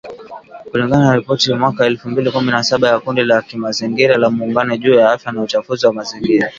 Kulingana na ripoti ya mwaka elfu mbili kumi na saba ya kundi la kimazingira la Muungano juu ya Afya na Uchafuzi wa mazingira